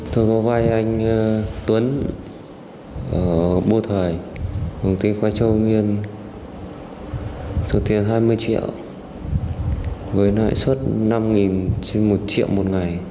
thực tiên hai mươi triệu với nại suất năm trên một triệu một ngày